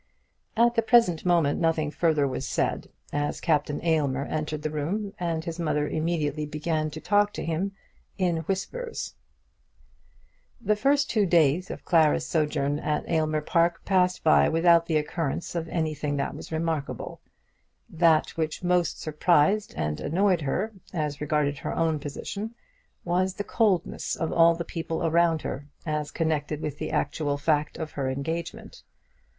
At the present moment nothing further was said, as Captain Aylmer entered the room, and his mother immediately began to talk to him in whispers. The two first days of Clara's sojourn at Aylmer Park passed by without the occurrence of anything that was remarkable. That which most surprised and annoyed her, as regarded her own position, was the coldness of all the people around her, as connected with the actual fact of her engagement.